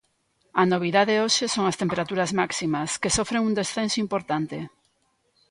A novidade hoxe son as temperaturas máximas, que sofren un descenso importante.